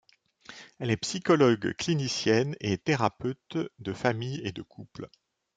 Elle est psychologue clinicienne et thérapeute de familles et de couples.